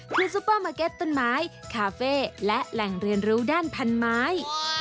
คือซุปเปอร์มาร์เก็ตต้นไม้คาเฟ่และแหล่งเรียนรู้ด้านพันไม้